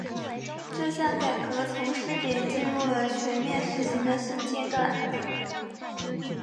这项改革从试点进入了全面实行的新阶段。